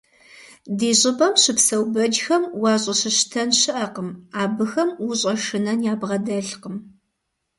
Ди щIыпIэм щыпсэу бэджхэм уащIыщыщтэн щыIэкъым, абыхэм ущIэшынэн ябгъэдэлъкъым.